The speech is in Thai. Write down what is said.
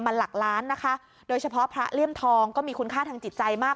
มันหลักล้านนะคะโดยเฉพาะพระเลี่ยมทองก็มีคุณค่าทางจิตใจมาก